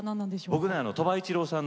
僕ね鳥羽一郎さんの「兄弟船」を。